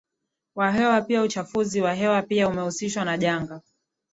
wa hewa piaUchafuzi wa hewa pia umehusishwa na janga